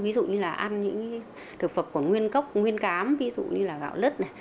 ví dụ như là ăn những thực phẩm còn nguyên cốc nguyên cám ví dụ như là gạo lứt này